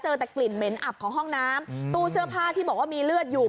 แต่กลิ่นเหม็นอับของห้องน้ำตู้เสื้อผ้าที่บอกว่ามีเลือดอยู่